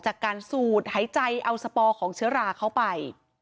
จากการสูดหายใจเอาสปอร์ของเชื้อราเข้าไป